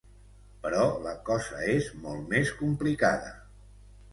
Però la cosa és molt més complicada.